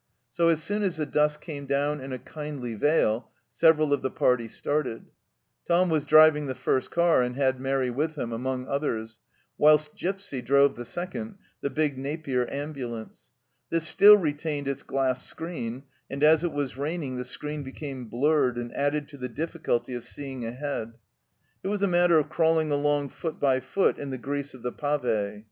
So as soon as the dusk came down in a kindly veil several of the party started. Tom was driving the first car, and had Mairi with him, among others ; whilst Gipsy drove the second, the big Napier ambulance. This still retained its glass screen, and as it was raining the screen became blurred and added to the difficulty of seeing ahead. It was a matter of crawling along foot by foot in the grease of the pave.